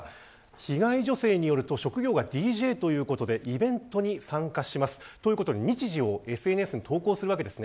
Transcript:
被害女性によると職業がＤＪということでイベントに参加します。ということで、日時をＳＮＳに投稿するわけです。